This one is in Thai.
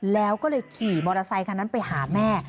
แล้วก็เลยขี่มอเตอร์ไซคันนั้นไปหาแม่